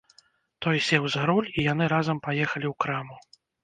Той сеў за руль, і яны разам паехалі ў краму.